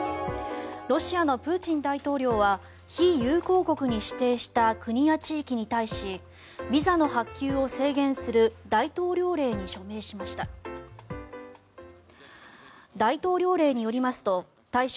ロシアのプーチン大統領は非友好国に指定した国や地域に対しビザの発給を制限する大統領令に署名しました。